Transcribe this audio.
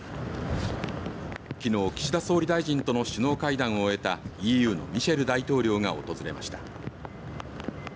きのう岸田総理大臣との首脳会談を終えたＥＵのミシェル大統領が訪れました。